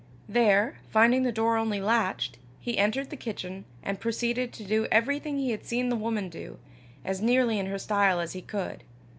There finding the door only latched, he entered the kitchen, and proceeded to do everything he had seen the woman do, as nearly in her style as he could.